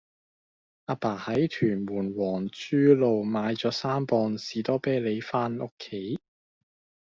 亞爸喺屯門皇珠路買左三磅士多啤梨返屋企